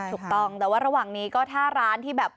ถูกต้องแต่ว่าระหว่างนี้ก็ถ้าร้านที่แบบ